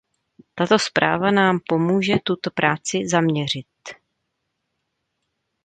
Tato zpráva nám pomůže tuto práci zaměřit.